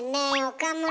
岡村。